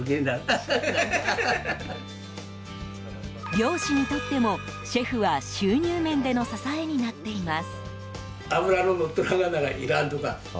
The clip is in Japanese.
猟師にとってもシェフは収入面での支えになっています。